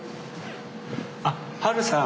あっハルさん